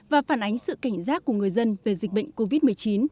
và phản ánh sự cảnh giác của người dân về dịch bệnh covid một mươi chín